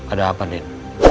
ada apa din